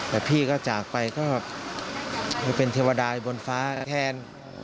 แต่พี่ก็จากไปก็มาเป็นเทวดายบนฟ้าแทน